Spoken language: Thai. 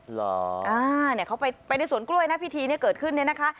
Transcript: เหรออ่าเนี่ยเขาไปในสวนกล้วยนะพิธีเนี่ยเกิดขึ้นเนี่ยนะคะ